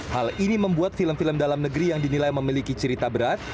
hal ini membuat film film dalam negeri yang dinilai memiliki cerita berat